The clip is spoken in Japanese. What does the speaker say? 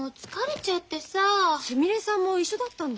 すみれさんも一緒だったんだ。